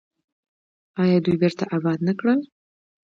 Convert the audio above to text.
آیا دوی بیرته اباد نه کړل؟